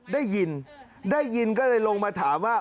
ได้ยินได้ยินก็เลยลงมาถามว่า